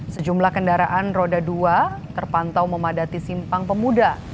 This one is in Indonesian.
sejumlah kendaraan roda dua terpantau memadati simpang pemuda